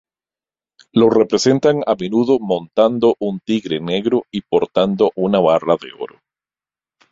Lo representan a menudo montando un tigre negro y portando una barra de oro.